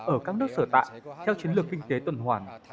ở các nước sở tại theo chiến lược kinh tế tuần hoàn